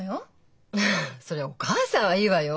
そりゃお母さんはいいわよ。